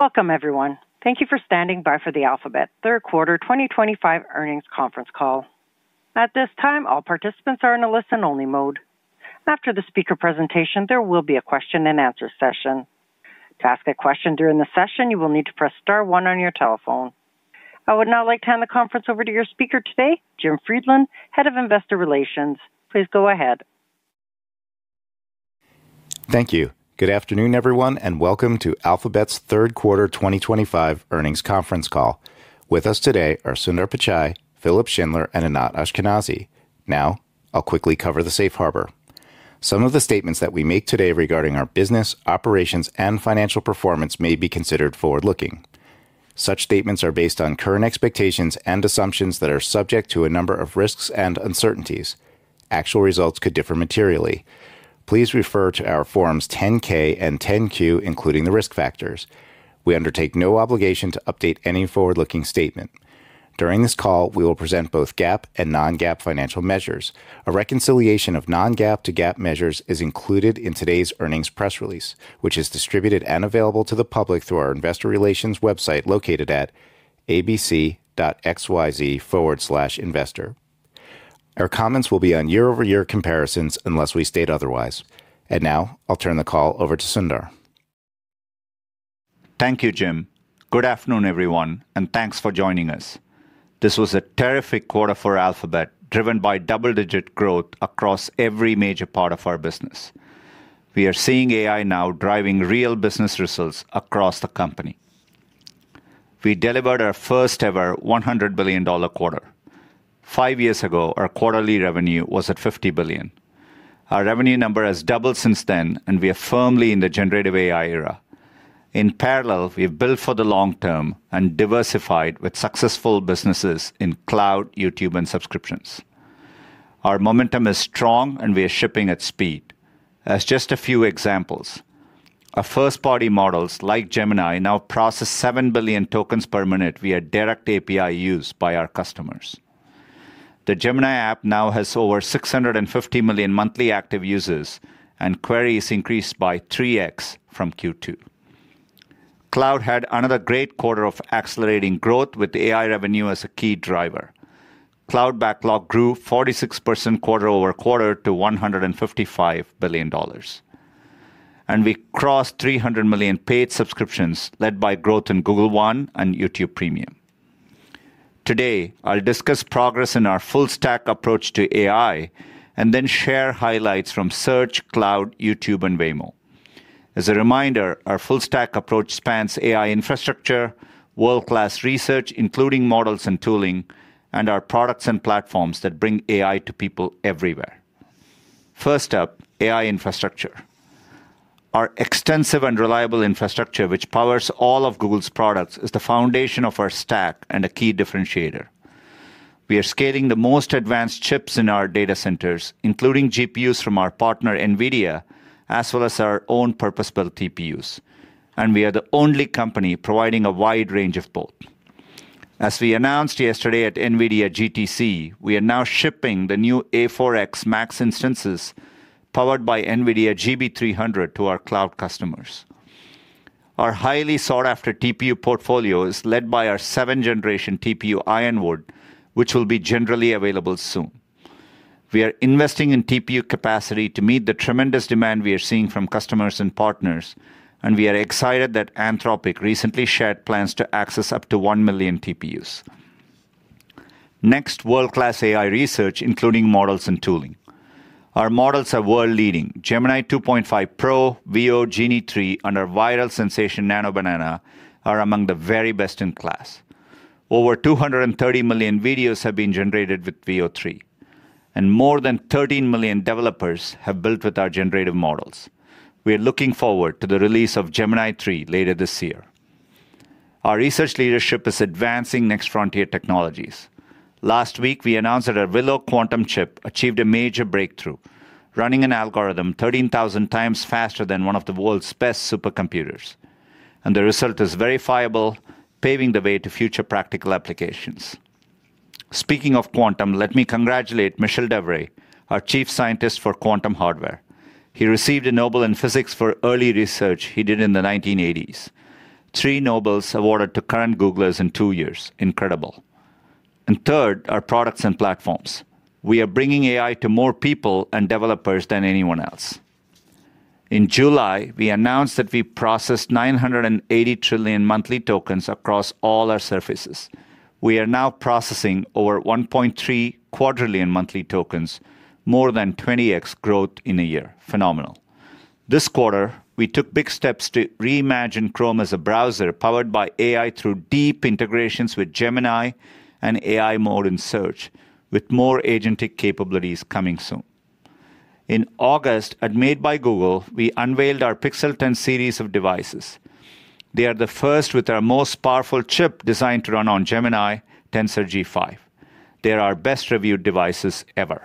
Welcome, everyone. Thank you for standing by for the Alphabet third quarter 2025 earnings conference call. At this time, all participants are in a listen-only mode. After the speaker presentation, there will be a question-and-answer session. To ask a question during the session, you will need to press star one on your telephone. I would now like to hand the conference over to your speaker today, Jim Friedland, Head of Investor Relations. Please go ahead. Thank you. Good afternoon, everyone, and welcome to Alphabet's third quarter 2025 earnings conference call. With us today are Sundar Pichai, Philipp Schindler, and Anat Ashkenazi. Now, I'll quickly cover the safe harbor. Some of the statements that we make today regarding our business, operations, and financial performance may be considered forward-looking. Such statements are based on current expectations and assumptions that are subject to a number of risks and uncertainties. Actual results could differ materially. Please refer to our Forms 10-K and 10-Q, including the risk factors. We undertake no obligation to update any forward-looking statement. During this call, we will present both GAAP and non-GAAP financial measures. A reconciliation of non-GAAP to GAAP measures is included in today's earnings press release, which is distributed and available to the public through our Investor Relations website located at abc.xyz/investor. Our comments will be on year-over-year comparisons unless we state otherwise. I'll turn the call over to Sundar. Thank you, Jim. Good afternoon, everyone, and thanks for joining us. This was a terrific quarter for Alphabet, driven by double-digit growth across every major part of our business. We are seeing AI now driving real business results across the company. We delivered our first-ever $100 billion quarter. Five years ago, our quarterly revenue was at $50 billion. Our revenue number has doubled since then, and we are firmly in the generative AI era. In parallel, we have built for the long-term and diversified with successful businesses in Cloud, YouTube, and subscriptions. Our momentum is strong, and we are shipping at speed. As just a few examples, our first-party models like Gemini now process 7 billion tokens per minute via direct API use by our customers. The Gemini app now has over 650 million monthly active users, and queries increased by 3x from Q2. Cloud had another great quarter of accelerating growth with AI revenue as a key driver. Cloud backlog grew 46% quarter-over-quarter to $155 billion. We crossed 300 million paid subscriptions led by growth in Google One and YouTube Premium. Today, I'll discuss progress in our full-stack approach to AI and then share highlights from Search, Cloud, YouTube, and Waymo. As a reminder, our full-stack approach spans AI infrastructure, world-class research, including models and tooling, and our products and platforms that bring AI to people everywhere. First up, AI infrastructure. Our extensive and reliable infrastructure, which powers all of Google's products, is the foundation of our stack and a key differentiator. We are scaling the most advanced chips in our data centers, including GPUs from our partner NVIDIA, as well as our own purpose-built TPUs. We are the only company providing a wide range of both. As we announced yesterday at NVIDIA GTC, we are now shipping the new A4X Max instances powered by NVIDIA GB300 to our cloud customers. Our highly sought-after TPU portfolio is led by our 7th generation TPU, Ironwood, which will be generally available soon. We are investing in TPU capacity to meet the tremendous demand we are seeing from customers and partners, and we are excited that Anthropic recently shared plans to access up to 1 million TPUs. Next, world-class AI research, including models and tooling. Our models are world-leading. Gemini 2.5 Pro, Veo, Genie 3, and our viral sensation Nano Banana are among the very best in class. Over 230 million videos have been generated with Veo 3, and more than 13 million developers have built with our generative models. We are looking forward to the release of Gemini 3 later this year. Our research leadership is advancing next frontier technologies. Last week, we announced that our Willow quantum chip achieved a major breakthrough, running an algorithm 13,000x faster than one of the world's best supercomputers. The result is verifiable, paving the way to future practical applications. Speaking of quantum, let me congratulate Michel Devoret, our Chief Scientist for Quantum Hardware. He received a Nobel in Physics for early research he did in the 1980s. Three Nobels awarded to current Googlers in two years. Incredible. Third, our products and platforms. We are bringing AI to more people and developers than anyone else. In July, we announced that we processed 980 trillion monthly tokens across all our surfaces. We are now processing over 1.3 quadrillion monthly tokens, more than 20x growth in a year. Phenomenal. This quarter, we took big steps to reimagine Chrome as a browser powered by AI through deep integrations with Gemini and AI Mode in Search, with more agentic capabilities coming soon. In August, at Made by Google, we unveiled our Pixel 10 series of devices. They are the first with our most powerful chip designed to run on Gemini Tensor G5. They are our best-reviewed devices ever.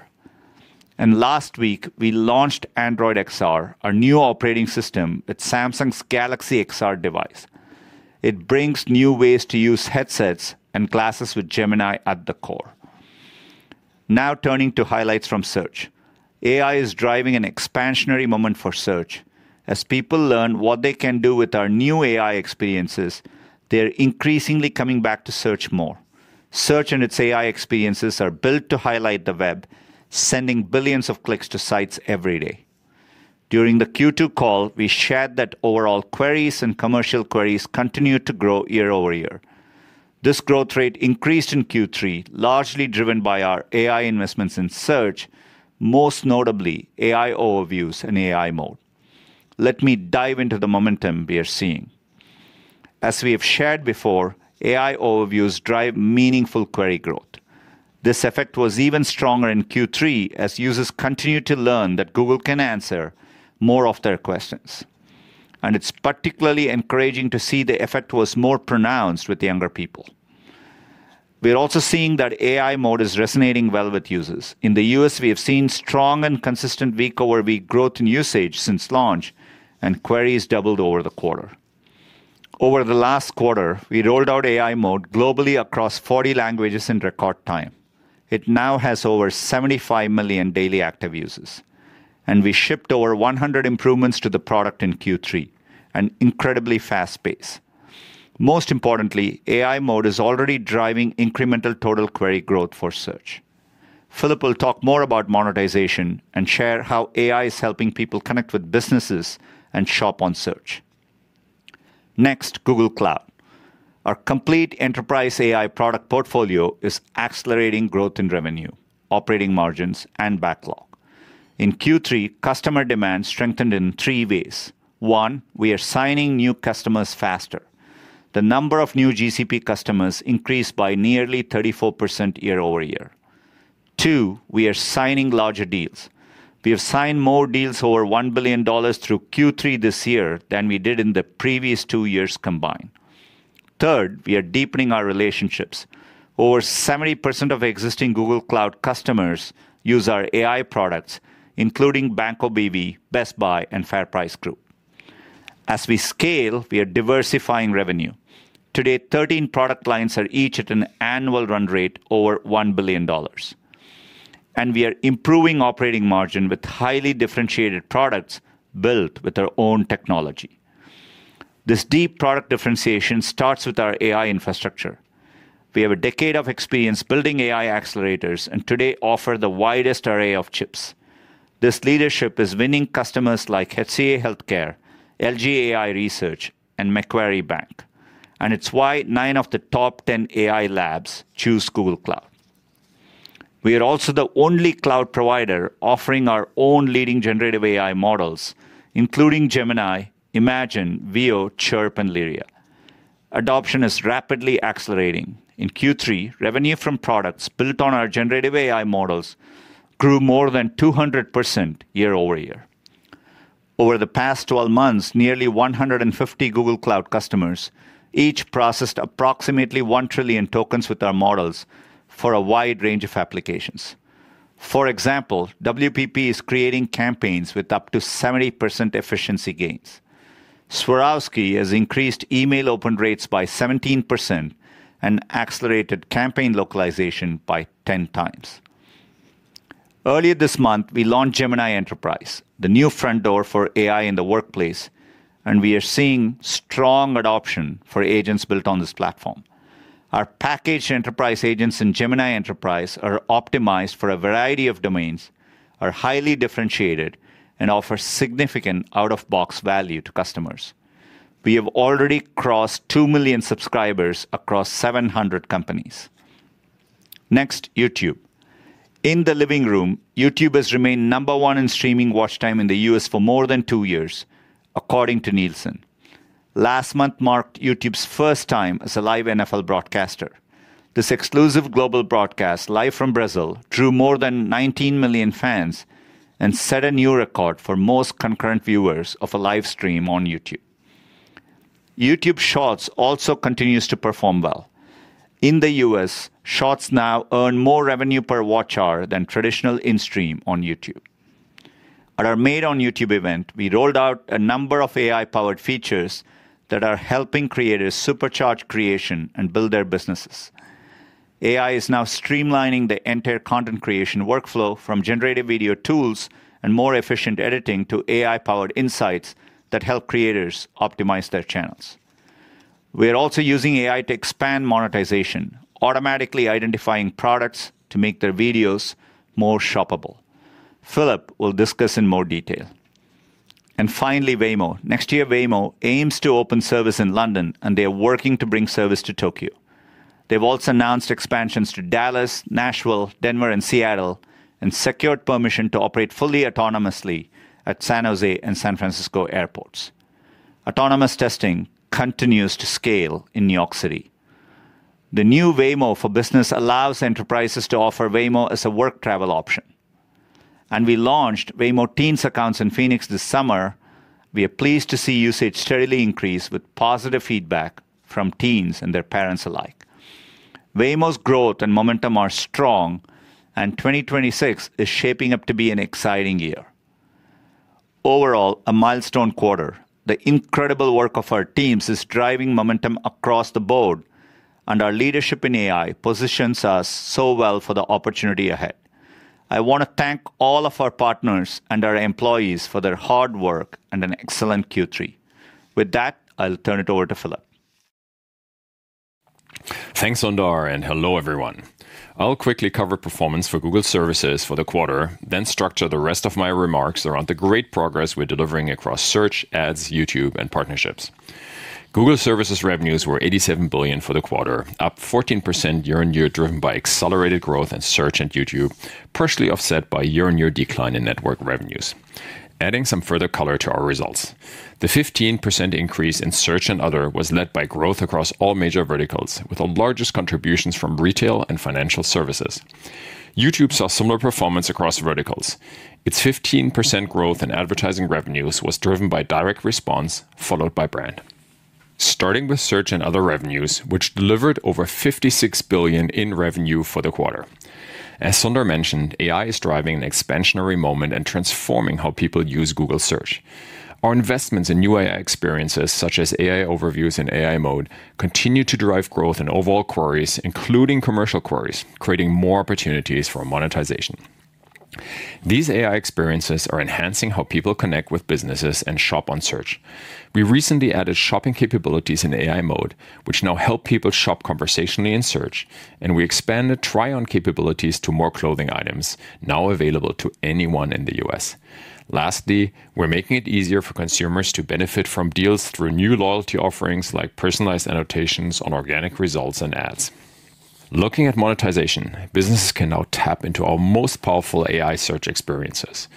Last week, we launched Android XR, our new operating system, with Samsung's Galaxy XR device. It brings new ways to use headsets and glasses with Gemini at the core. Now, turning to highlights from Search. AI is driving an expansionary moment for Search. As people learn what they can do with our new AI experiences, they are increasingly coming back to Search more. Search and its AI experiences are built to highlight the web, sending billions of clicks to sites every day. During the Q2 call, we shared that overall queries and commercial queries continue to grow year-over-year. This growth rate increased in Q3, largely driven by our AI investments in Search, most notably AI Overviews and AI Mode. Let me dive into the momentum we are seeing. As we have shared before, AI Overviews drive meaningful query growth. This effect was even stronger in Q3 as users continue to learn that Google can answer more of their questions. It is particularly encouraging to see the effect was more pronounced with younger people. We are also seeing that AI Mode is resonating well with users. In the U.S., we have seen strong and consistent week-over-week growth in usage since launch, and queries doubled over the quarter. Over the last quarter, we rolled out AI Mode globally across 40 languages in record time. It now has over 75 million daily active users. We shipped over 100 improvements to the product in Q3, an incredibly fast pace. Most importantly, AI Mode is already driving incremental total query growth for Search. Philipp will talk more about monetization and share how AI is helping people connect with businesses and shop on Search. Next, Google Cloud. Our complete enterprise AI product portfolio is accelerating growth in revenue, operating margins, and backlog. In Q3, customer demand strengthened in three ways. One, we are signing new customers faster. The number of new GCP customers increased by nearly 34% year-over-year. Two, we are signing larger deals. We have signed more deals over $1 billion through Q3 this year than we did in the previous two years combined. Third, we are deepening our relationships. Over 70% of existing Google Cloud customers use our AI products, including Banco BV, Best Buy, and FairPrice Group. As we scale, we are diversifying revenue. Today, 13 product lines are each at an annual run rate over $1 billion. We are improving operating margin with highly differentiated products built with our own technology. This deep product differentiation starts with our AI infrastructure. We have a decade of experience building AI accelerators and today offer the widest array of chips. This leadership is winning customers like HCA Healthcare, LG AI Research, and Macquarie Bank. It is why nine of the top 10 AI labs choose Google Cloud. We are also the only cloud provider offering our own leading generative AI models, including Gemini, Imagen, Veo, Chirp, and Lyria. Adoption is rapidly accelerating. In Q3, revenue from products built on our generative AI models grew more than 200% year-over-year. Over the past 12 months, nearly 150 Google Cloud customers each processed approximately 1 trillion tokens with our models for a wide range of applications. For example, WPP is creating campaigns with up to 70% efficiency gains. Swarovski has increased email open rates by 17% and accelerated campaign localization by 10x. Earlier this month, we launched Gemini Enterprise, the new front door for AI in the workplace, and we are seeing strong adoption for agents built on this platform. Our packaged enterprise agents in Gemini Enterprise are optimized for a variety of domains, are highly differentiated, and offer significant out-of-box value to customers. We have already crossed 2 million subscribers across 700 companies. Next, YouTube. In the living room, YouTube has remained number one in streaming watch time in the U.S. for more than two years, according to Nielsen. Last month marked YouTube's first time as a live NFL broadcaster. This exclusive global broadcast, live from Brazil, drew more than 19 million fans and set a new record for most concurrent viewers of a live stream on YouTube. YouTube Shorts also continues to perform well. In the U.S., Shorts now earn more revenue per watch hour than traditional in-stream on YouTube. At our Made on YouTube event, we rolled out a number of AI-powered features that are helping creators supercharge creation and build their businesses. AI is now streamlining the entire content creation workflow from generative video tools and more efficient editing to AI-powered insights that help creators optimize their channels. We are also using AI to expand monetization, automatically identifying products to make their videos more shoppable. Philipp will discuss in more detail. Finally, Waymo. Next year, Waymo aims to open service in London, and they are working to bring service to Tokyo. They have also announced expansions to Dallas, Nashville, Denver, and Seattle, and secured permission to operate fully autonomously at San Jose and San Francisco Airports. Autonomous testing continues to scale in New York City. The new Waymo for Business allows enterprises to offer Waymo as a work travel option. We launched Waymo Teens accounts in Phoenix this summer. We are pleased to see usage steadily increase with positive feedback from teens and their parents alike. Waymo's growth and momentum are strong, and 2026 is shaping up to be an exciting year. Overall, a milestone quarter. The incredible work of our teams is driving momentum across the board, and our leadership in AI positions us so well for the opportunity ahead. I want to thank all of our partners and our employees for their hard work and an excellent Q3. With that, I'll turn it over to Philipp. Thanks, Sundar, and hello, everyone. I'll quickly cover performance for Google Services for the quarter, then structure the rest of my remarks around the great progress we're delivering across Search, Ads, YouTube, and partnerships. Google Services revenues were $87 billion for the quarter, up 14% year-on-year, driven by accelerated growth in Search and YouTube, partially offset by year-on-year decline in network revenues, adding some further color to our results. The 15% increase in Search and Other was led by growth across all major verticals, with the largest contributions from retail and financial services. YouTube saw similar performance across verticals. Its 15% growth in advertising revenues was driven by direct response, followed by brand. Starting with Search and Other revenues, which delivered over $56 billion in revenue for the quarter. As Sundar mentioned, AI is driving an expansionary moment and transforming how people use Google Search. Our investments in new AI experiences, such as AI Overviews in AI Mode, continue to drive growth in overall queries, including commercial queries, creating more opportunities for monetization. These AI experiences are enhancing how people connect with businesses and shop on Search. We recently added shopping capabilities in AI Mode, which now help people shop conversationally in Search, and we expanded try-on capabilities to more clothing items, now available to anyone in the U.S. Lastly, we're making it easier for consumers to benefit from deals through new loyalty offerings, like personalized annotations on organic results and ads. Looking at monetization, businesses can now tap into our most powerful AI search experiences.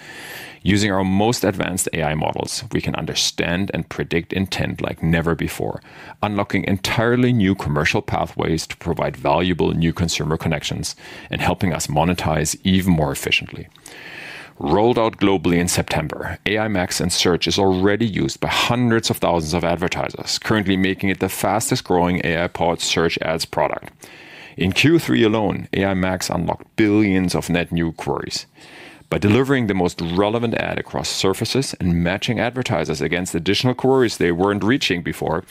Using our most advanced AI models, we can understand and predict intent like never before, unlocking entirely new commercial pathways to provide valuable new consumer connections and helping us monetize even more efficiently. Rolled out globally in September, AI Max and Search is already used by hundreds of thousands of advertisers, currently making it the fastest-growing AI-powered Search Ads product. In Q3 alone, AI Max unlocked billions of net new queries. By delivering the most relevant ad across surfaces and matching advertisers against additional queries they weren't reaching before,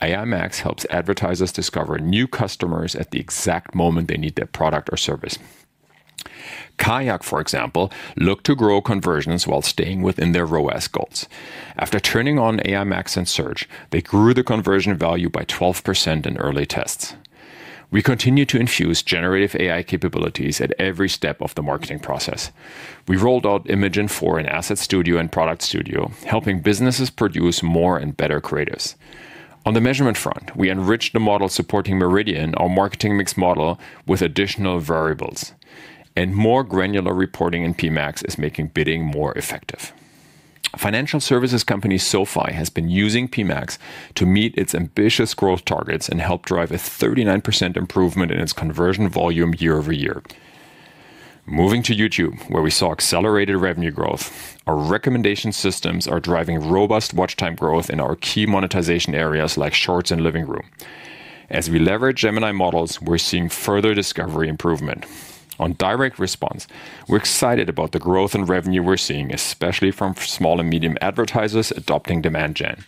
AI Max helps advertisers discover new customers at the exact moment they need their product or service. Kayak, for example, looked to grow conversions while staying within their ROAS goals. After turning on AI Max and Search, they grew the conversion value by 12% in early tests. We continue to infuse generative AI capabilities at every step of the marketing process. We rolled out Imagen 4 in Asset Studio and Product Studio, helping businesses produce more and better creatives. On the measurement front, we enriched the model supporting Meridian, our marketing mix model, with additional variables. More granular reporting in PMax is making bidding more effective. Financial services company SoFi has been using PMax to meet its ambitious growth targets and helped drive a 39% improvement in its conversion volume year-over-year. Moving to YouTube, where we saw accelerated revenue growth, our recommendation systems are driving robust watch time growth in our key monetization areas, like Shorts and Living Room. As we leverage Gemini models, we're seeing further discovery improvement. On direct response, we're excited about the growth in revenue we're seeing, especially from small and medium advertisers adopting Demand Gen.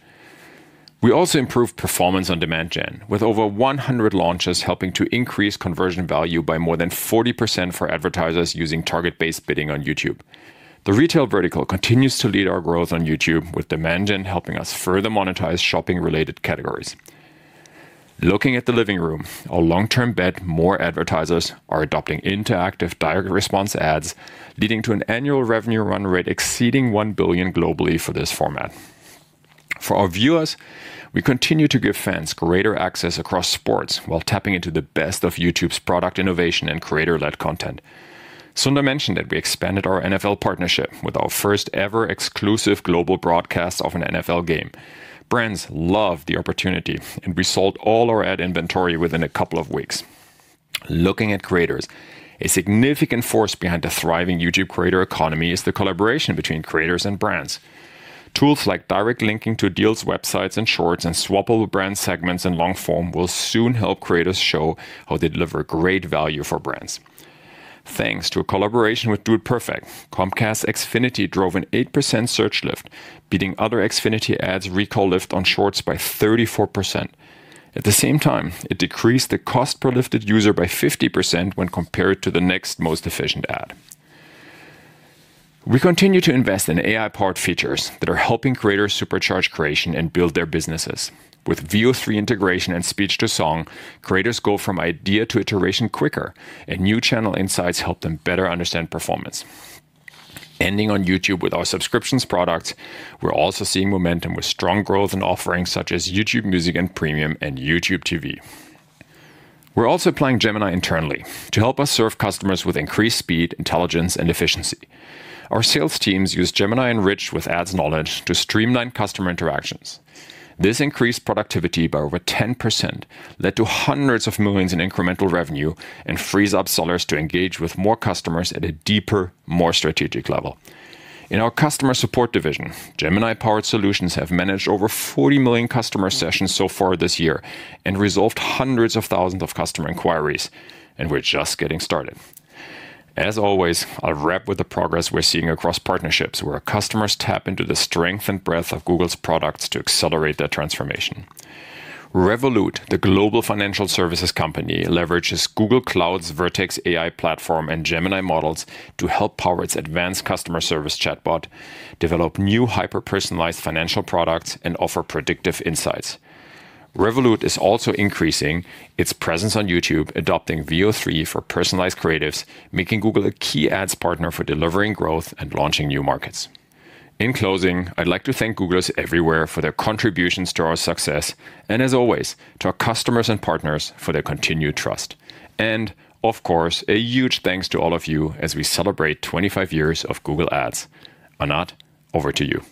We also improved performance on Demand Gen, with over 100 launches helping to increase conversion value by more than 40% for advertisers using target-based bidding on YouTube. The retail vertical continues to lead our growth on YouTube, with Demand Gen helping us further monetize shopping-related categories. Looking at the Living Room, our long-term bet, more advertisers are adopting interactive direct response ads, leading to an annual revenue run rate exceeding $1 billion globally for this format. For our viewers, we continue to give fans greater access across sports while tapping into the best of YouTube's product innovation and creator-led content. Sundar mentioned that we expanded our NFL partnership with our first-ever exclusive global broadcast of an NFL game. Brands loved the opportunity, and we sold all our ad inventory within a couple of weeks. Looking at creators, a significant force behind a thriving YouTube creator economy is the collaboration between creators and brands. Tools like direct linking to deals, websites, and Shorts, and swappable brand segments in long form will soon help creators show how they deliver great value for brands. Thanks to a collaboration with Dude Perfect, Comcast, Xfinity drove an 8% search lift, beating other Xfinity ads' recall lift on Shorts by 34%. At the same time, it decreased the cost per lifted user by 50% when compared to the next most efficient ad. We continue to invest in AI-powered features that are helping creators supercharge creation and build their businesses. With Veo 3 integration and speech-to-song, creators go from idea to iteration quicker, and new channel insights help them better understand performance. Ending on YouTube with our subscriptions products, we're also seeing momentum with strong growth in offerings such as YouTube Music and Premium and YouTube TV. We're also applying Gemini internally to help us serve customers with increased speed, intelligence, and efficiency. Our sales teams use Gemini enriched with ads knowledge to streamline customer interactions. This increased productivity by over 10%, led to hundreds of millions in incremental revenue, and frees up sellers to engage with more customers at a deeper, more strategic level. In our Customer Support division, Gemini-powered solutions have managed over 40 million customer sessions so far this year and resolved hundreds of thousands of customer inquiries. We're just getting started. As always, I'll wrap with the progress we're seeing across partnerships, where customers tap into the strength and breadth of Google's products to accelerate their transformation. Revolut, the global financial services company, leverages Google Cloud's Vertex AI platform and Gemini models to help power its advanced customer service chatbot, develop new hyper-personalized financial products, and offer predictive insights. Revolut is also increasing its presence on YouTube, adopting Veo 3 for personalized creatives, making Google a key ads partner for delivering growth and launching new markets. In closing, I'd like to thank Googlers everywhere for their contributions to our success, and as always, to our customers and partners for their continued trust. Of course, a huge thanks to all of you as we celebrate 25 years of Google Ads. Anat, over to you.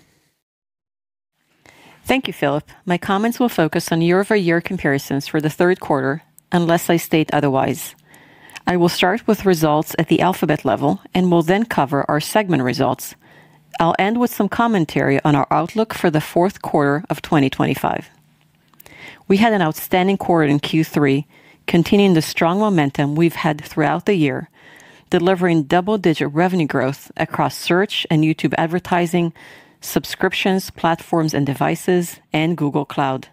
Thank you, Philipp. My comments will focus on year-over-year comparisons for the third quarter, unless I state otherwise. I will start with results at the Alphabet level and will then cover our segment results. I'll end with some commentary on our outlook for the fourth quarter of 2025. We had an outstanding quarter in Q3, continuing the strong momentum we've had throughout the year, delivering double-digit revenue growth across Search and YouTube advertising, subscriptions, platforms and devices, and Google Cloud.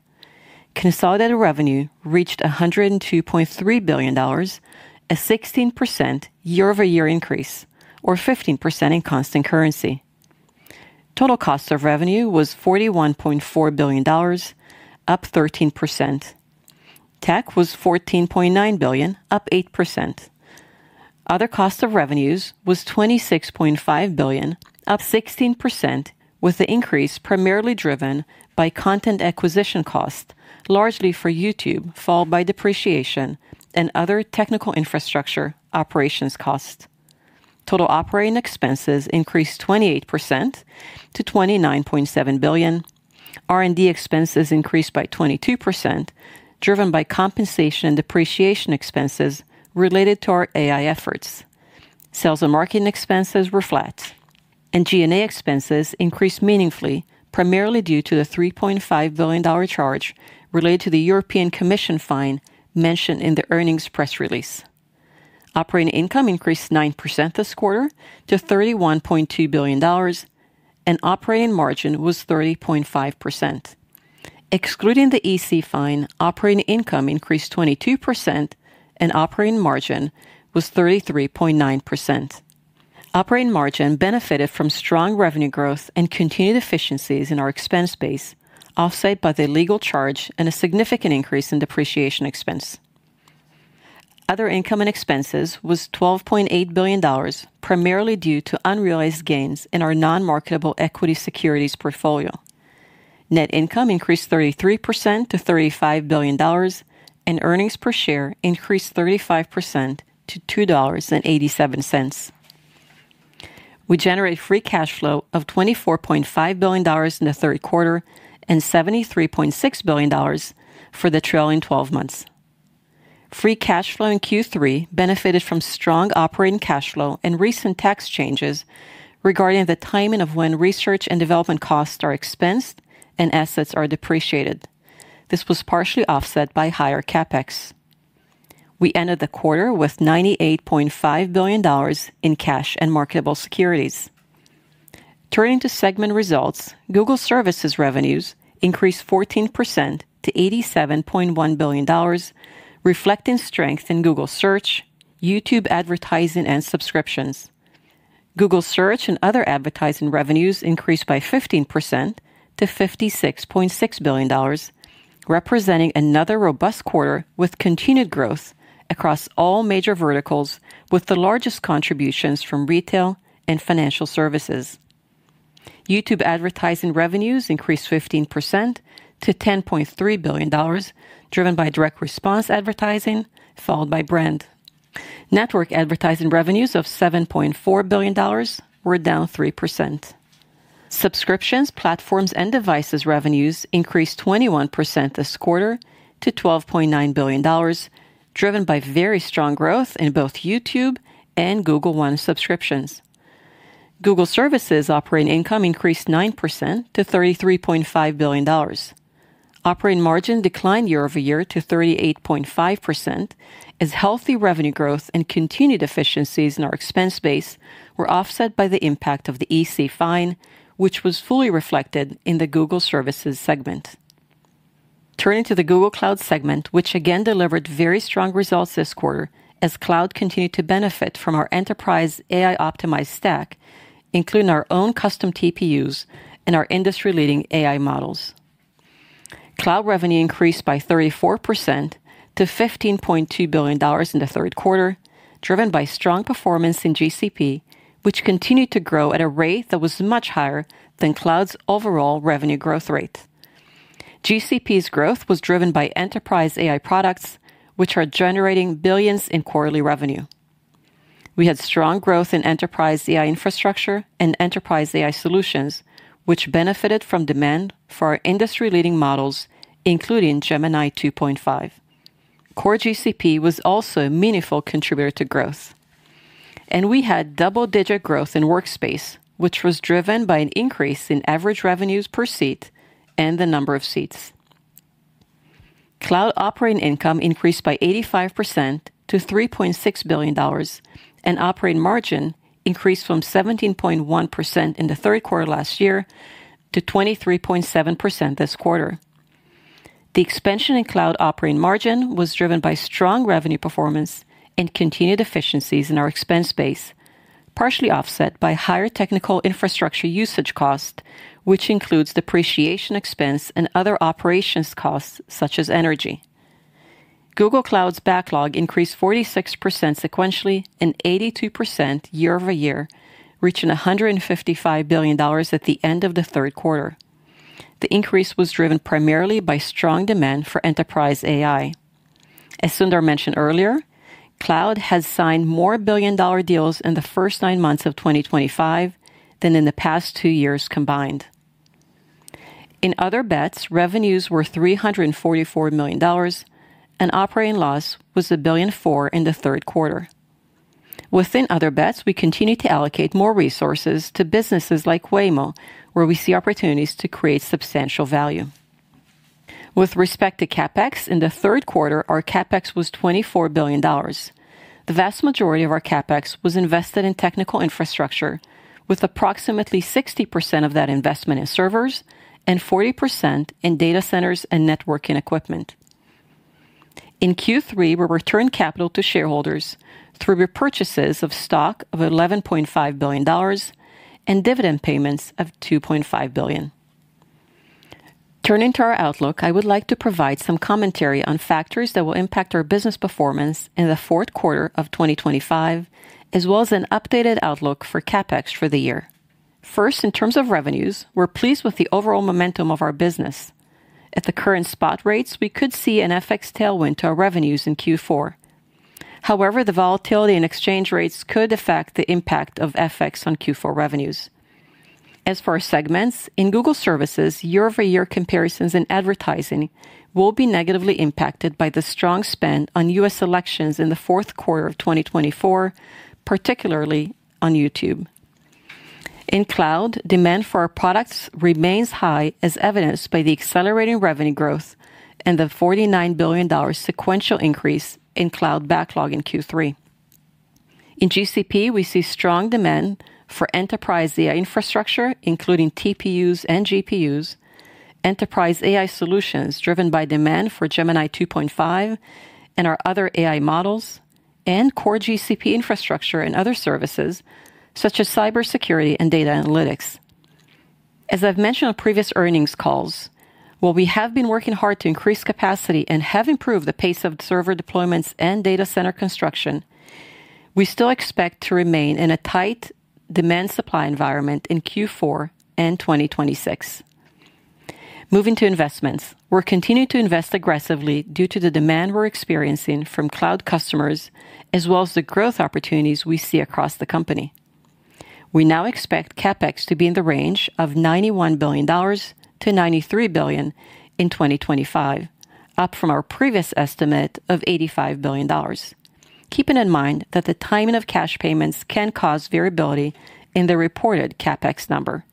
Consolidated revenue reached $102.3 billion, a 16% year-over-year increase, or 15% in constant currency. Total cost of revenue was $41.4 billion, up 13%. Tech was $14.9 billion, up 8%. Other cost of revenues was $26.5 billion, up 16%, with the increase primarily driven by content acquisition costs, largely for YouTube, followed by depreciation and other technical infrastructure operations costs. Total operating expenses increased 28% to $29.7 billion. R&D expenses increased by 22%, driven by compensation and depreciation expenses related to our AI efforts. Sales and marketing expenses were flat. G&A expenses increased meaningfully, primarily due to the $3.5 billion charge related to the European Commission fine mentioned in the earnings press release. Operating income increased 9% this quarter to $31.2 billion, and operating margin was 30.5%. Excluding the EC fine, operating income increased 22%, and operating margin was 33.9%. Operating margin benefited from strong revenue growth and continued efficiencies in our expense space, offset by the legal charge and a significant increase in depreciation expense. Other income and expenses were $12.8 billion, primarily due to unrealized gains in our non-marketable equity securities portfolio. Net income increased 33% to $35 billion, and earnings per share increased 35% to $2.87. We generated free cash flow of $24.5 billion in the third quarter and $73.6 billion for the trailing 12 months. Free cash flow in Q3 benefited from strong operating cash flow and recent tax changes regarding the timing of when research and development costs are expensed and assets are depreciated. This was partially offset by higher CapEx. We ended the quarter with $98.5 billion in cash and marketable securities. Turning to segment results, Google Services revenues increased 14% to $87.1 billion, reflecting strength in Google Search, YouTube advertising, and subscriptions. Google Search and Other advertising revenues increased by 15% to $56.6 billion, representing another robust quarter with continued growth across all major verticals, with the largest contributions from retail and financial services. YouTube advertising revenues increased 15% to $10.3 billion, driven by direct response advertising, followed by brand. Network advertising revenues of $7.4 billion were down 3%. Subscriptions, platforms, and devices revenues increased 21% this quarter to $12.9 billion, driven by very strong growth in both YouTube and Google One subscriptions. Google Services operating income increased 9% to $33.5 billion. Operating margin declined year-over-year to 38.5%, as healthy revenue growth and continued efficiencies in our expense space were offset by the impact of the EC fine, which was fully reflected in the Google Services segment. Turning to the Google Cloud segment, which again delivered very strong results this quarter, as Cloud continued to benefit from our enterprise AI-optimized stack, including our own custom TPUs and our industry-leading AI models. Cloud revenue increased by 34% to $15.2 billion in the third quarter, driven by strong performance in GCP, which continued to grow at a rate that was much higher than Cloud's overall revenue growth rate. GCP's growth was driven by enterprise AI products, which are generating billions in quarterly revenue. We had strong growth in enterprise AI infrastructure and enterprise AI solutions, which benefited from demand for our industry-leading models, including Gemini 2.5. Core GCP was also a meaningful contributor to growth. We had double-digit growth in Workspace, which was driven by an increase in average revenues per seat and the number of seats. Cloud operating income increased by 85% to $3.6 billion, and operating margin increased from 17.1% in the third quarter last year to 23.7% this quarter. The expansion in Cloud operating margin was driven by strong revenue performance and continued efficiencies in our expense space, partially offset by higher technical infrastructure usage costs, which includes depreciation expense and other operations costs, such as energy. Google Cloud's backlog increased 46% sequentially and 82% year-over-year, reaching $155 billion at the end of the third quarter. The increase was driven primarily by strong demand for enterprise AI. As Sundar mentioned earlier, Cloud has signed more billion-dollar deals in the first nine months of 2025 than in the past two years combined. In Other Bets, revenues were $344 million, and operating loss was $1.4 billion in the third quarter. Within Other Bets, we continue to allocate more resources to businesses like Waymo, where we see opportunities to create substantial value. With respect to CapEx, in the third quarter, our CapEx was $24 billion. The vast majority of our CapEx was invested in technical infrastructure, with approximately 60% of that investment in servers and 40% in data centers and networking equipment. In Q3, we returned capital to shareholders through repurchases of stock of $11.5 billion and dividend payments of $2.5 billion. Turning to our outlook, I would like to provide some commentary on factors that will impact our business performance in the fourth quarter of 2025, as well as an updated outlook for CapEx for the year. First, in terms of revenues, we're pleased with the overall momentum of our business. At the current spot rates, we could see an FX tailwind to our revenues in Q4. However, the volatility in exchange rates could affect the impact of FX on Q4 revenues. As for our segments, in Google Services, year-over-year comparisons in advertising will be negatively impacted by the strong spend on U.S. elections in the fourth quarter of 2024, particularly on YouTube. In Cloud, demand for our products remains high, as evidenced by the accelerating revenue growth and the $49 billion sequential increase in Cloud backlog in Q3. In GCP, we see strong demand for enterprise AI infrastructure, including TPUs and GPUs, enterprise AI solutions driven by demand for Gemini 2.5 and our other AI models, and core GCP infrastructure and other services, such as cybersecurity and data analytics. As I've mentioned on previous earnings calls, while we have been working hard to increase capacity and have improved the pace of server deployments and data center construction, we still expect to remain in a tight demand-supply environment in Q4 and 2026. Moving to investments, we're continuing to invest aggressively due to the demand we're experiencing from Cloud customers, as well as the growth opportunities we see across the company. We now expect CapEx to be in the range of $91 billion-$93 billion in 2025, up from our previous estimate of $85 billion, keeping in mind that the timing of cash payments can cause variability in the reported CapEx number.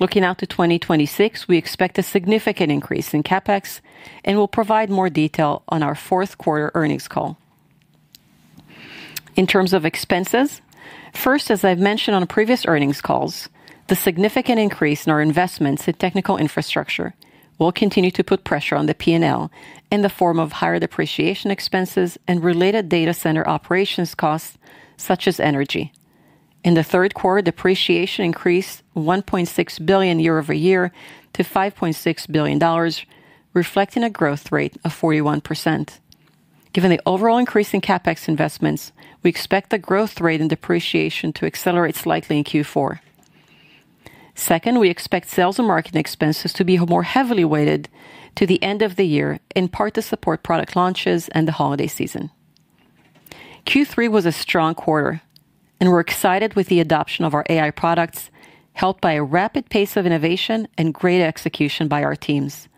Looking out to 2026, we expect a significant increase in CapEx and will provide more detail on our fourth quarter earnings call. In terms of expenses, first, as I've mentioned on previous earnings calls, the significant increase in our investments in technical infrastructure will continue to put pressure on the P&L in the form of higher depreciation expenses and related data center operations costs, such as energy. In the third quarter, depreciation increased $1.6 billion year-over-year to $5.6 billion, reflecting a growth rate of 41%. Given the overall increase in CapEx investments, we expect the growth rate in depreciation to accelerate slightly in Q4. Second, we expect sales and marketing expenses to be more heavily weighted to the end of the year, in part to support product launches and the holiday season. Q3 was a strong quarter, and we're excited with the adoption of our AI products, helped by a rapid pace of innovation and great execution by our teams.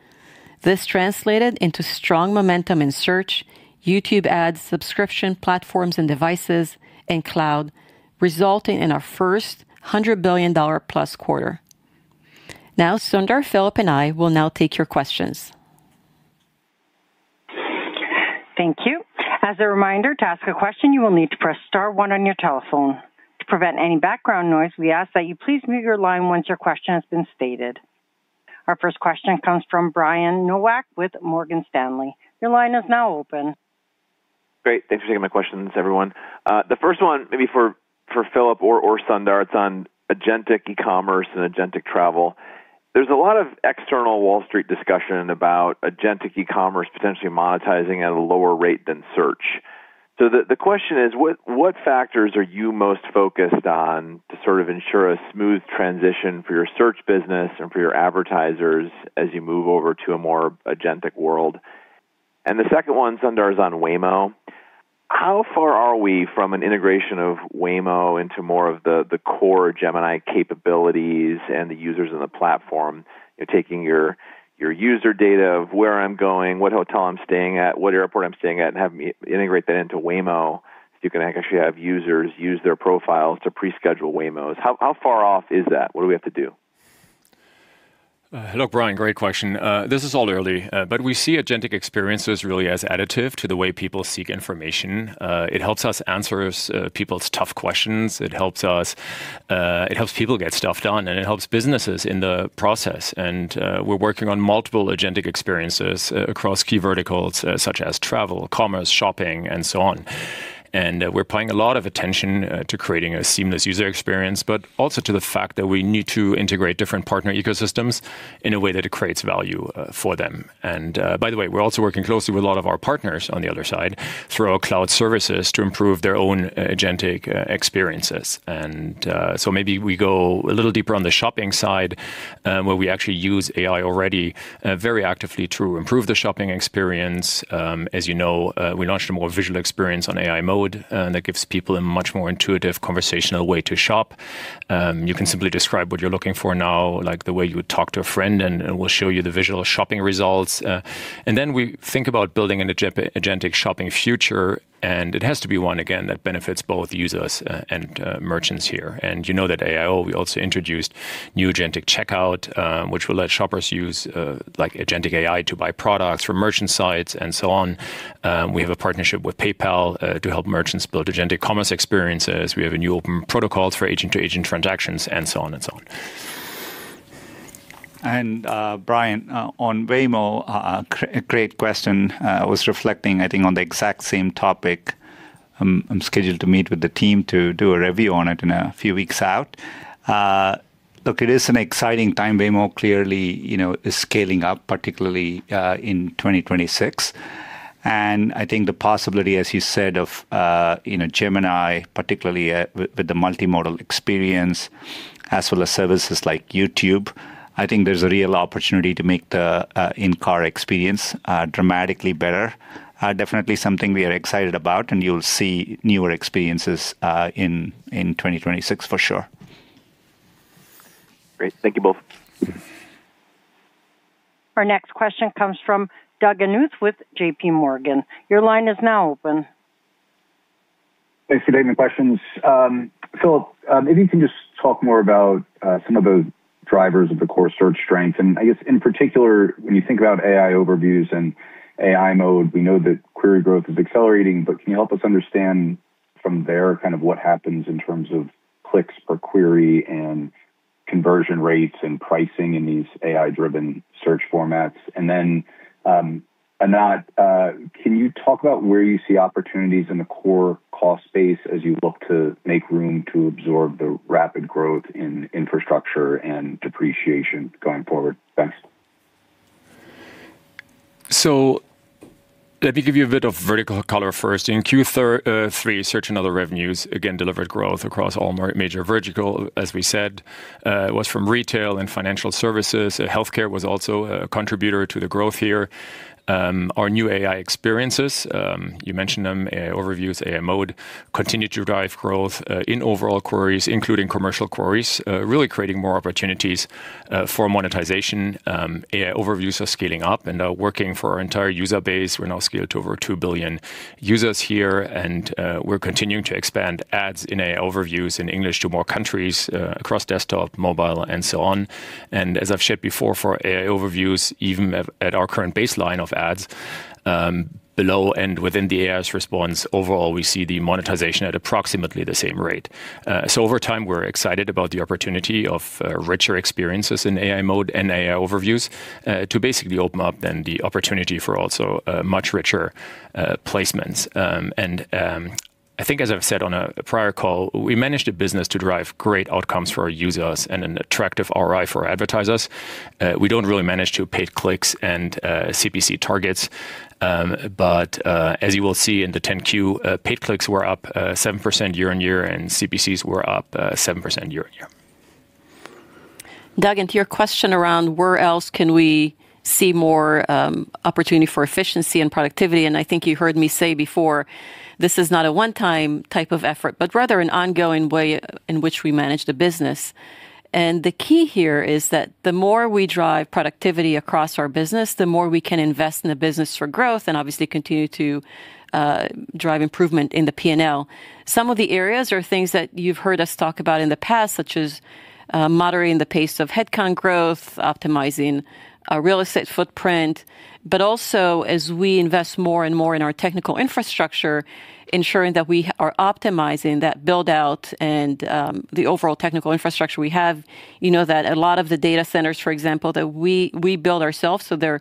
This translated into strong momentum in Search, YouTube Ads, subscription platforms and devices, and Cloud, resulting in our first $100+ billion quarter. Now, Sundar, Philipp, and I will now take your questions. Thank you. As a reminder, to ask a question, you will need to press star one on your telephone. To prevent any background noise, we ask that you please mute your line once your question has been stated. Our first question comes from Brian Nowak with Morgan Stanley. Your line is now open. Great. Thanks for taking my questions, everyone. The first one, maybe for Philipp or Sundar, it's on agentic e-commerce and agentic travel. There's a lot of external Wall Street discussion about agentic e-commerce potentially monetizing at a lower rate than Search. The question is, what factors are you most focused on to sort of ensure a smooth transition for your Search business and for your advertisers as you move over to a more agentic world? The second one, Sundar, is on Waymo. How far are we from an integration of Waymo into more of the core Gemini capabilities and the users in the platform, taking your user data of where I'm going, what hotel I'm staying at, what airport I'm staying at, and having to integrate that into Waymo so you can actually have users use their profiles to pre-schedule Waymos? How far off is that? What do we have to do? Hello, Brian. Great question. This is all early, but we see agentic experiences really as additive to the way people seek information. It helps us answer people's tough questions. It helps people get stuff done, and it helps businesses in the process. We're working on multiple agentic experiences across key verticals, such as travel, commerce, shopping, and so on. We're paying a lot of attention to creating a seamless user experience, but also to the fact that we need to integrate different partner ecosystems in a way that it creates value for them. By the way, we're also working closely with a lot of our partners on the other side through our Cloud services to improve their own agentic experiences. Maybe we go a little deeper on the shopping side, where we actually use AI already very actively to improve the shopping experience. As you know, we launched a more visual experience on AI Mode that gives people a much more intuitive conversational way to shop. You can simply describe what you're looking for now, like the way you would talk to a friend, and it will show you the visual shopping results. We think about building an agentic shopping future, and it has to be one, again, that benefits both users and merchants here. You know that at AIO, we also introduced new agentic checkout, which will let shoppers use agentic AI to buy products from merchant sites and so on. We have a partnership with PayPal to help merchants build agentic commerce experiences. We have a new open protocol for agent-to-agent transactions, and so on and so on. Brian, on Waymo, a great question. I was reflecting, I think, on the exact same topic. I'm scheduled to meet with the team to do a review on it in a few weeks out. It is an exciting time. Waymo clearly is scaling up, particularly in 2026. I think the possibility, as you said, of Gemini, particularly with the multimodal experience, as well as services like YouTube, I think there's a real opportunity to make the in-car experience dramatically better. Definitely something we are excited about, and you'll see newer experiences in 2026, for sure. Great. Thank you both. Our next question comes from Doug Anmuth with JPMorgan. Your line is now open. Thanks for taking the questions. Philipp, maybe you can just talk more about some of the drivers of the core search strength. I guess, in particular, when you think about AI Overviews and AI Mode, we know that query growth is accelerating, but can you help us understand from there kind of what happens in terms of clicks per query and conversion rates and pricing in these AI-driven search formats? Anat, can you talk about where you see opportunities in the core cost space as you look to make room to absorb the rapid growth in infrastructure and depreciation going forward? Thanks. Let me give you a bit of vertical color first. In Q3, Search and Other revenues, again, delivered growth across all major verticals, as we said. It was from retail and financial services. Health care was also a contributor to the growth here. Our new AI experiences, you mentioned them, AI Overviews, AI Mode, continue to drive growth in overall queries, including commercial queries, really creating more opportunities for monetization. AI Overviews are scaling up and are working for our entire user base. We're now scaled to over 2 billion users here, and we're continuing to expand ads in AI Overviews in English to more countries across desktop, mobile, and so on. As I've shared before, for AI Overviews, even at our current baseline of ads, below and within the AI's response, overall, we see the monetization at approximately the same rate. Over time, we're excited about the opportunity of richer experiences in AI Mode and AI Overviews to basically open up then the opportunity for also much richer placements. I think, as I've said on a prior call, we manage the business to drive great outcomes for our users and an attractive ROI for our advertisers. We don't really manage to pay clicks and CPC targets. As you will see in the 10-Q, paid clicks were up 7% year-on-year, and CPCs were up 7% year-on-year. Doug, to your question around where else can we see more opportunity for efficiency and productivity, I think you heard me say before, this is not a one-time type of effort, but rather an ongoing way in which we manage the business. The key here is that the more we drive productivity across our business, the more we can invest in the business for growth and obviously continue to drive improvement in the P&L. Some of the areas are things that you've heard us talk about in the past, such as moderating the pace of headcount growth, optimizing our real estate footprint, but also, as we invest more and more in our technical infrastructure, ensuring that we are optimizing that build-out and the overall technical infrastructure we have. You know that a lot of the data centers, for example, that we build ourselves, so they're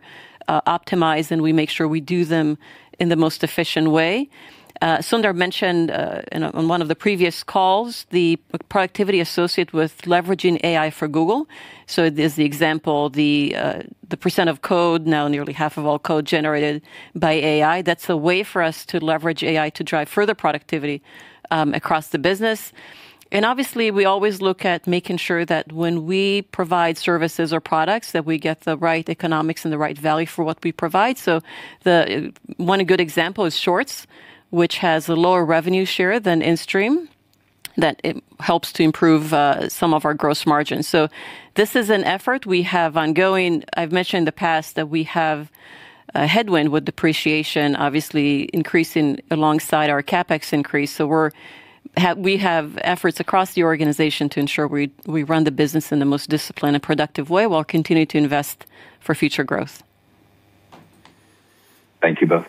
optimized, and we make sure we do them in the most efficient way. Sundar mentioned on one of the previous calls the productivity associated with leveraging AI for Google. There's the example, the percent of code, now nearly half of all code generated by AI. That's a way for us to leverage AI to drive further productivity across the business. Obviously, we always look at making sure that when we provide services or products, we get the right economics and the right value for what we provide. One good example is Shorts, which has a lower revenue share than in stream, that helps to improve some of our gross margins. This is an effort we have ongoing. I've mentioned in the past that we have headwind with depreciation, obviously increasing alongside our CapEx increase. We have efforts across the organization to ensure we run the business in the most disciplined and productive way while continuing to invest for future growth. Thank you both.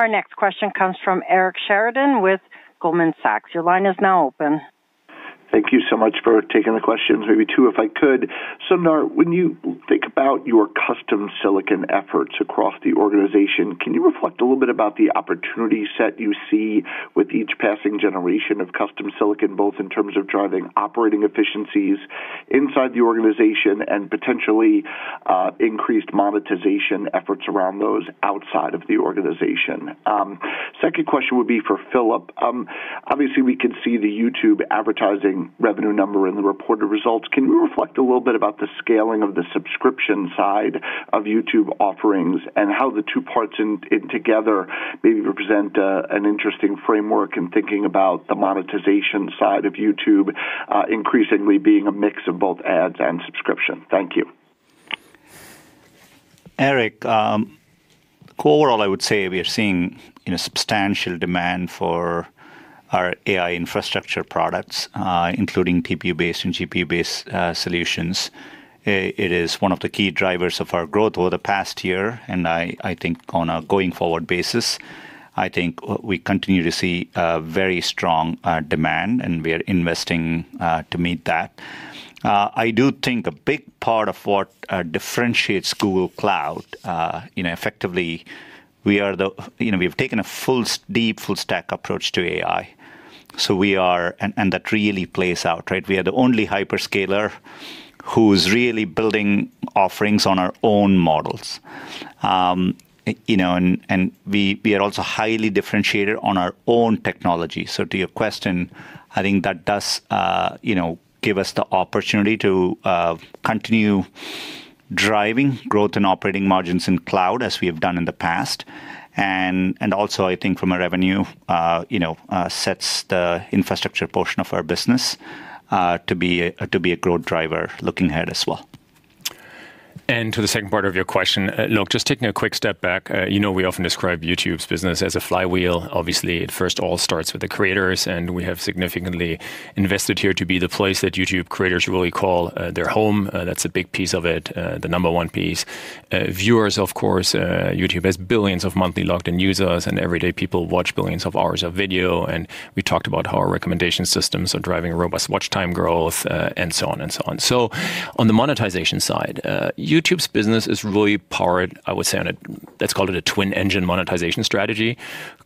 Our next question comes from Eric Sheridan with Goldman Sachs. Your line is now open. Thank you so much for taking the questions. Maybe two, if I could. Sundar, when you think about your custom silicon efforts across the organization, can you reflect a little bit about the opportunity set you see with each passing generation of custom silicon, both in terms of driving operating efficiencies inside the organization and potentially increased monetization efforts around those outside of the organization? Second question would be for Philipp. Obviously, we can see the YouTube advertising revenue number in the reported results. Can you reflect a little bit about the scaling of the subscription side of YouTube offerings and how the two parts in together maybe represent an interesting framework in thinking about the monetization side of YouTube increasingly being a mix of both ads and subscription? Thank you. Eric, overall, I would say we are seeing a substantial demand for our AI infrastructure products, including TPU-based and GPU-based solutions. It is one of the key drivers of our growth over the past year. I think on a going-forward basis, we continue to see very strong demand, and we are investing to meet that. I do think a big part of what differentiates Google Cloud, effectively, we have taken a deep full-stack approach to AI, and that really plays out. We are the only hyperscaler who is really building offerings on our own models, and we are also highly differentiated on our own technology. To your question, I think that does give us the opportunity to continue driving growth in operating margins in Cloud, as we have done in the past. I think from a revenue set, the infrastructure portion of our business will be a growth driver looking ahead as well. To the second part of your question, just taking a quick step back, we often describe YouTube's business as a flywheel. Obviously, it first all starts with the creators, and we have significantly invested here to be the place that YouTube creators really call their home. That's a big piece of it, the number one piece. Viewers, of course, YouTube has billions of monthly logged-in users, and every day people watch billions of hours of video. We talked about how our recommendation systems are driving robust watch time growth, and so on. On the monetization side, YouTube's business is really powered, I would say, on it. Let's call it a twin-engine monetization strategy,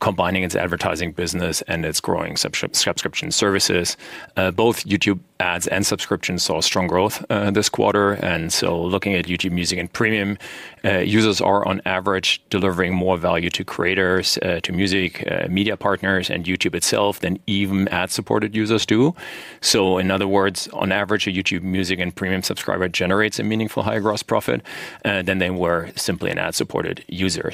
combining its advertising business and its growing subscription services. Both YouTube ads and subscriptions saw strong growth this quarter. Looking at YouTube Music and Premium, users are on average delivering more value to creators, to music media partners, and YouTube itself than even ad-supported users do. In other words, on average, a YouTube Music and Premium subscriber generates a meaningful high gross profit than if they were simply an ad-supported user.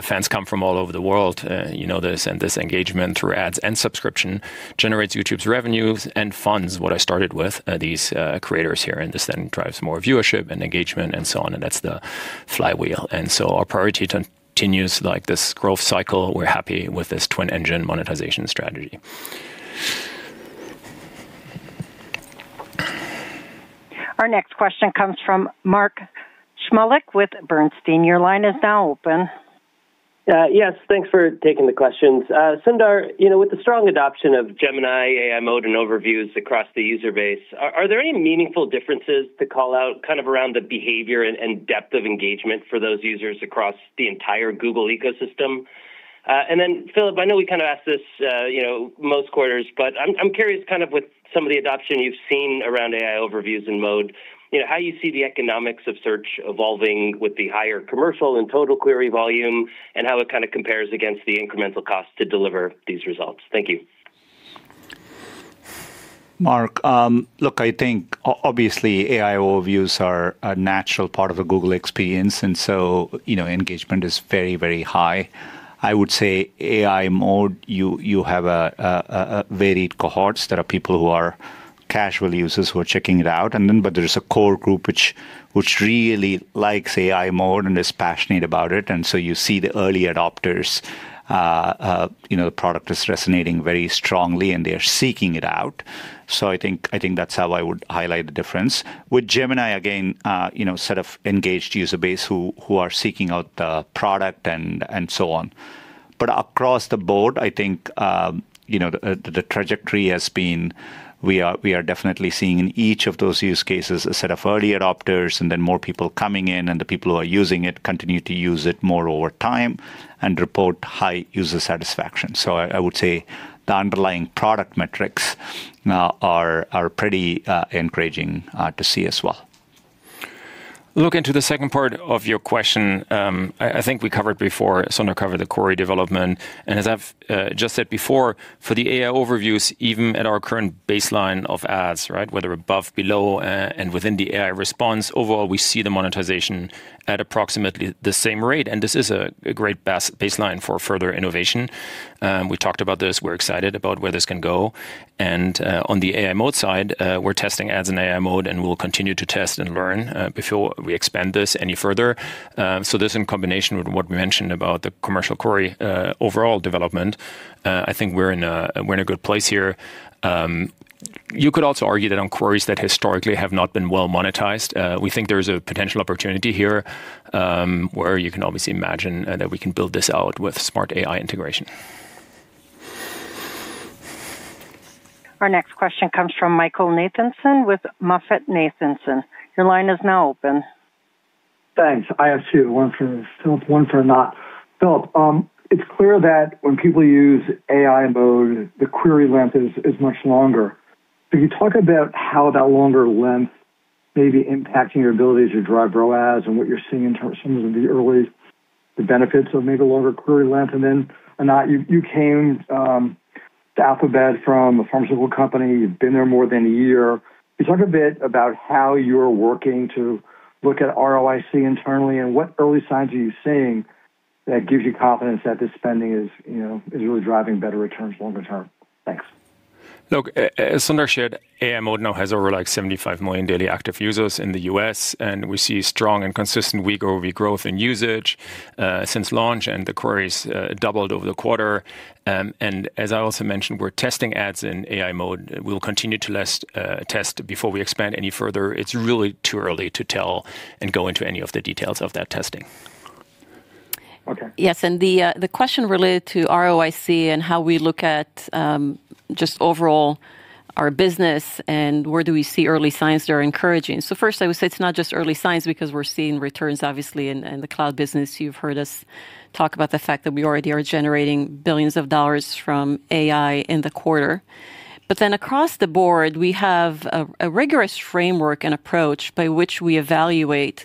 Fans come from all over the world. You know this, and this engagement through ads and subscription generates YouTube's revenues and funds what I started with, these creators here. This then drives more viewership and engagement and so on. That's the flywheel. Our priority continues like this growth cycle. We're happy with this twin-engine monetization strategy. Our next question comes from Mark Shmulik with Bernstein. Your line is now open. Yes, thanks for taking the questions. Sundar, with the strong adoption of Gemini AI Mode and Overviews across the user base, are there any meaningful differences to call out around the behavior and depth of engagement for those users across the entire Google ecosystem? Philipp, I know we kind of ask this most quarters, but I'm curious with some of the adoption you've seen around AI Overviews and Mode, how you see the economics of search evolving with the higher commercial and total query volume and how it compares against the incremental cost to deliver these results. Thank you. Mark, look, I think obviously AI Overviews are a natural part of a Google experience, and engagement is very, very high. I would say AI Mode, you have varied cohorts. There are people who are casual users who are checking it out, but there is a core group which really likes AI Mode and is passionate about it. You see the early adopters. The product is resonating very strongly, and they are seeking it out. I think that's how I would highlight the difference. With Gemini, again, a set of engaged user bases who are seeking out the product and so on. Across the board, I think the trajectory has been we are definitely seeing in each of those use cases a set of early adopters and then more people coming in, and the people who are using it continue to use it more over time and report high user satisfaction. I would say the underlying product metrics are pretty encouraging to see as well. Looking to the second part of your question, I think we covered before, Sundar covered the query development. As I've just said before, for the AI Overviews, even at our current baseline of ads, whether above, below, and within the AI response, overall we see the monetization at approximately the same rate. This is a great baseline for further innovation. We talked about this. We're excited about where this can go. On the AI Mode side, we're testing ads in AI Mode, and we'll continue to test and learn before we expand this any further. This in combination with what we mentioned about the commercial query overall development, I think we're in a good place here. You could also argue that on queries that historically have not been well-monetized, we think there is a potential opportunity here where you can obviously imagine that we can build this out with smart AI integration. Our next question comes from Michael Nathanson with MoffettNathanson. Your line is now open. Thanks. I have two, one for Philipp, one for Anat. Philipp, it's clear that when people use AI Mode, the query length is much longer. Can you talk about how that longer length may be impacting your abilities to drive ROAS and what you're seeing in terms of the early benefits of maybe longer query length? Anat, you came to Alphabet from a pharmaceutical company. You've been there more than a year. Can you talk a bit about how you're working to look at ROIC internally and what early signs are you seeing that give you confidence that this spending is really driving better returns longer term? Thanks. Look, as Sundar shared, AI Mode now has over 75 million daily active users in the U.S., and we see strong and consistent week-over-week growth in usage since launch. The queries doubled over the quarter. As I also mentioned, we're testing ads in AI Mode. We'll continue to test before we expand any further. It's really too early to tell and go into any of the details of that testing. OK. Yes, and the question related to ROIC and how we look at just overall our business and where do we see early signs that are encouraging. First, I would say it's not just early signs because we're seeing returns, obviously, in the Cloud business. You've heard us talk about the fact that we already are generating billions of dollars from AI in the quarter. Across the board, we have a rigorous framework and approach by which we evaluate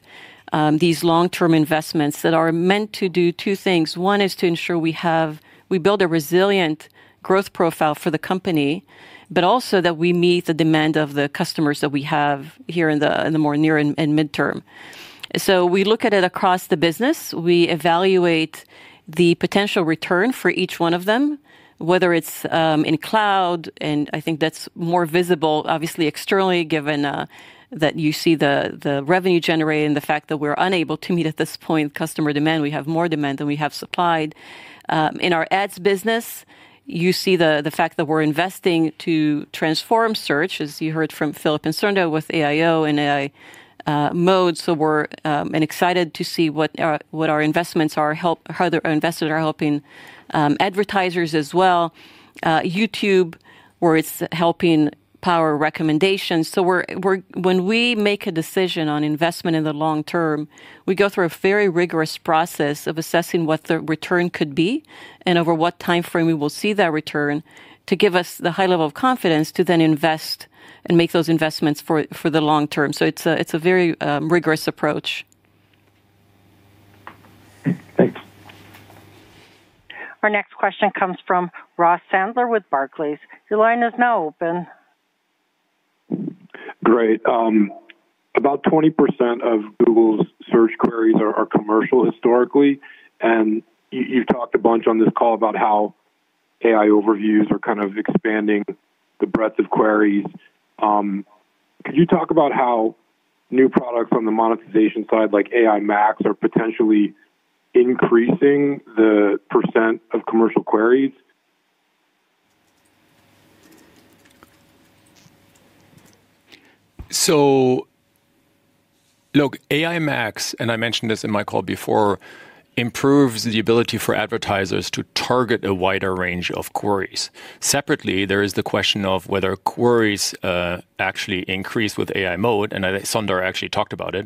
these long-term investments that are meant to do two things. One is to ensure we build a resilient growth profile for the company, but also that we meet the demand of the customers that we have here in the more near and midterm. We look at it across the business. We evaluate the potential return for each one of them, whether it's in Cloud, and I think that's more visible, obviously, externally, given that you see the revenue generated and the fact that we're unable to meet at this point customer demand. We have more demand than we have supply. In our ads business, you see the fact that we're investing to transform search, as you heard from Philipp and Sundar with AIO and AI Mode. We're excited to see what our investments are, how the investments are helping advertisers as well. YouTube, where it's helping power recommendations. When we make a decision on investment in the long-term, we go through a very rigorous process of assessing what the return could be and over what time frame we will see that return to give us the high level of confidence to then invest and make those investments for the long-term. It's a very rigorous approach. Thanks. Our next question comes from Ross Sandler with Barclays. Your line is now open. Great. About 20% of Google's Search queries are commercial historically. You've talked a bunch on this call about how AI Overviews are kind of expanding the breadth of queries. Could you talk about how new products on the monetization side, like AI Max, are potentially increasing the percent of commercial queries? AI Max, and I mentioned this in my call before, improves the ability for advertisers to target a wider range of queries. Separately, there is the question of whether queries actually increase with AI Mode. Sundar actually talked about it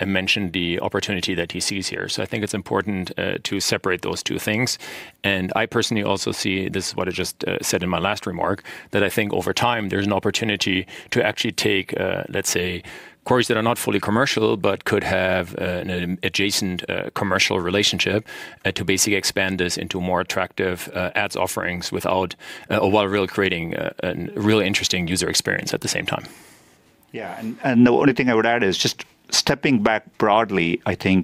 and mentioned the opportunity that he sees here. I think it's important to separate those two things. I personally also see, this is what I just said in my last remark, that I think over time there's an opportunity to actually take, let's say, queries that are not fully commercial but could have an adjacent commercial relationship to basically expand this into more attractive ads offerings while really creating a really interesting user experience at the same time. The only thing I would add is just stepping back broadly, I think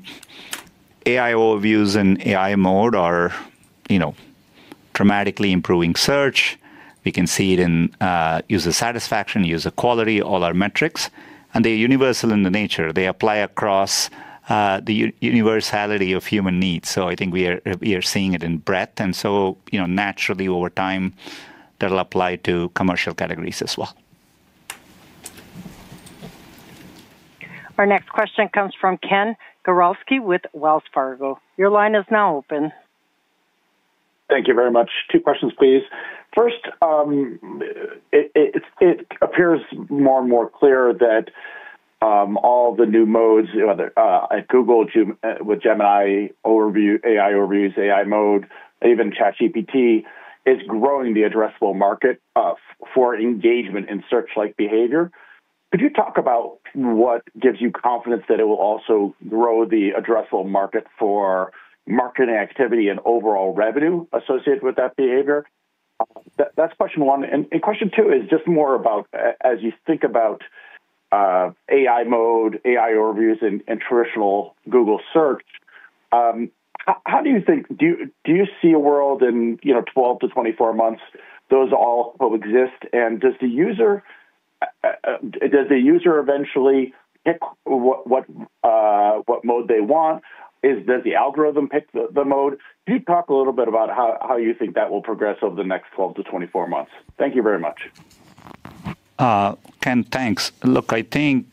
AI Overviews and AI Mode are dramatically improving search. We can see it in user satisfaction, user quality, all our metrics. They are universal in nature. They apply across the universality of human needs. I think we are seeing it in breadth, and naturally, over time, that'll apply to commercial categories as well. Our next question comes from Ken Gawrelski with Wells Fargo. Your line is now open. Thank you very much. Two questions, please. First, it appears more and more clear that all the new modes, whether at Google with Gemini Overview, AI Overviews, AI Mode, even ChatGPT, is growing the addressable market for engagement in search-like behavior. Could you talk about what gives you confidence that it will also grow the addressable market for marketing activity and overall revenue associated with that behavior? That's question one. Question two is just more about, as you think about AI Mode, AI Overviews, and traditional Google Search, how do you think, do you see a world in 12-24 months those all coexist? Does the user eventually pick what mode they want? Does the algorithm pick the mode? Could you talk a little bit about how you think that will progress over the next 12-24 months? Thank you very much. Ken, thanks. I think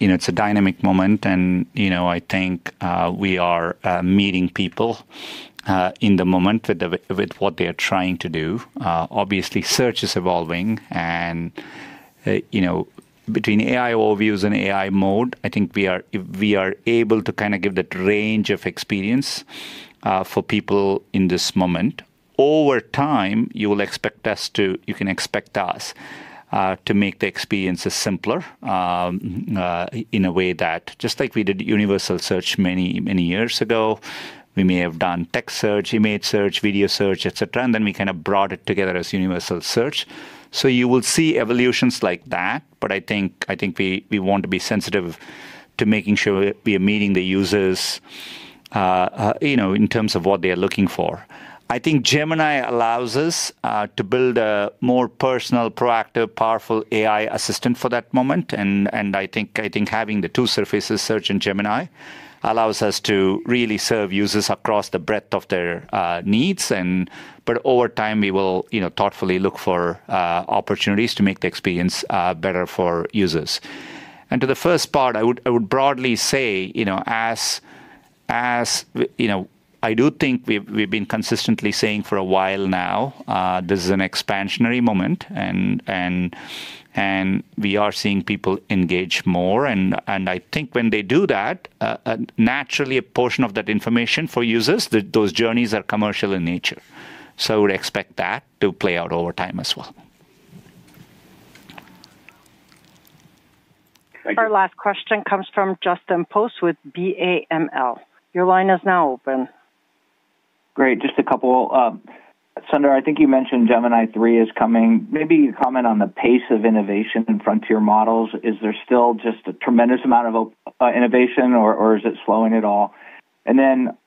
it's a dynamic moment, and I think we are meeting people in the moment with what they are trying to do. Obviously, Search is evolving. Between AI Overviews and AI Mode, I think we are able to kind of give that range of experience for people in this moment. Over time, you can expect us to make the experiences simpler in a way that, just like we did universal search many years ago, we may have done text search, image search, video search, etc., and then we kind of brought it together as universal search. You will see evolutions like that. I think we want to be sensitive to making sure we are meeting the users in terms of what they are looking for. I think Gemini allows us to build a more personal, proactive, powerful AI assistant for that moment. I think having the two surfaces, Search and Gemini, allows us to really serve users across the breadth of their needs. Over time, we will thoughtfully look for opportunities to make the experience better for users. To the first part, I would broadly say, as I do think we've been consistently saying for a while now, this is an expansionary moment, and we are seeing people engage more. I think when they do that, naturally, a portion of that information for users, those journeys are commercial in nature. I would expect that to play out over time as well. Thank you. Our last question comes from Justin Post with BAML. Your line is now open. Great. Just a couple. Sundar, I think you mentioned Gemini 3 is coming. Maybe a comment on the pace of innovation in frontier models. Is there still just a tremendous amount of innovation, or is it slowing at all?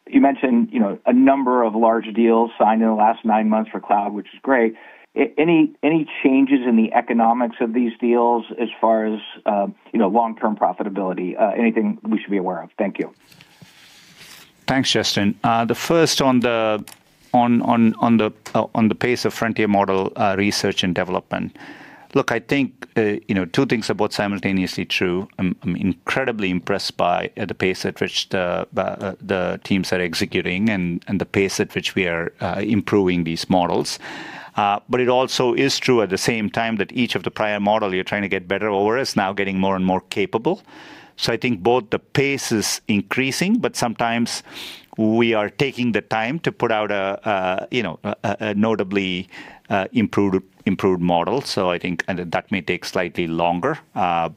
You mentioned a number of large deals signed in the last nine months for Cloud, which is great. Any changes in the economics of these deals as far as long-term profitability? Anything we should be aware of? Thank you. Thanks, Justin. The first on the pace of frontier model research and development. Look, I think two things are both simultaneously true. I'm incredibly impressed by the pace at which the teams are executing and the pace at which we are improving these models. It also is true, at the same time, that each of the prior models you're trying to get better over is now getting more and more capable. I think both the pace is increasing, but sometimes we are taking the time to put out a notably improved model. I think that may take slightly longer. I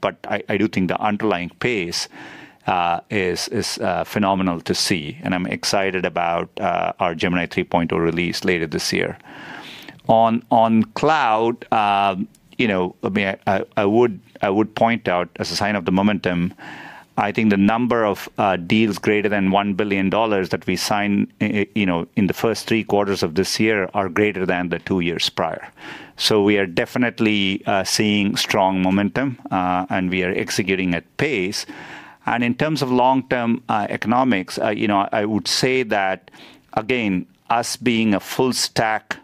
do think the underlying pace is phenomenal to see. I'm excited about our Gemini 3.0 release later this year. On Cloud, I would point out, as a sign of the momentum, I think the number of deals greater than $1 billion that we signed in the first three quarters of this year are greater than the two years prior. We are definitely seeing strong momentum, and we are executing at pace. In terms of long-term economics, I would say that, again, us being a full-stack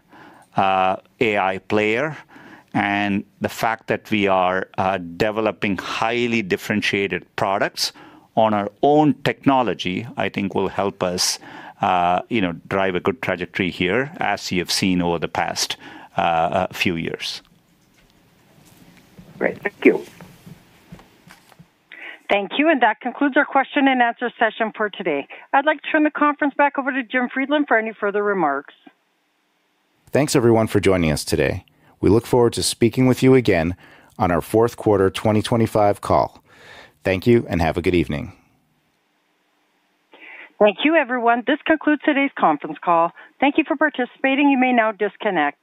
AI player and the fact that we are developing highly differentiated products on our own technology, I think will help us drive a good trajectory here, as you have seen over the past few years. Great. Thank you. Thank you. That concludes our question-and-answer session for today. I'd like to turn the conference back over to Jim Friedland for any further remarks. Thanks, everyone, for joining us today. We look forward to speaking with you again on our fourth quarter 2025 call. Thank you, and have a good evening. Thank you, everyone. This concludes today's conference call. Thank you for participating. You may now disconnect.